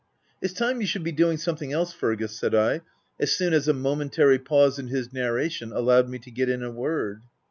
" It's time you should be doing something else, Fergus," said I, as soon as a momentary pause in his narration, allowed me to get in a word.